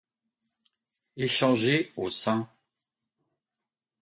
Échangé aux St.